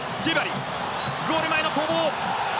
ゴール前の攻防。